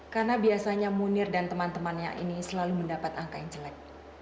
karena biasanya munir dan teman temannya ini selalu mendapat angka yang jelek